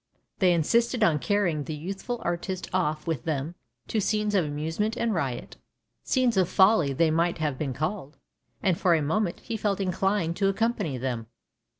They insisted on carrying the youthful artist off with them to scenes of amusement and riot — scenes of folly they might have been called — and for a moment he felt inclined to accompany them.